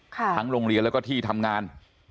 ทั้งโรงเรียนแล้วก็ที่ทำงาน